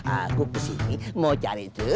aku kesini mau cari itu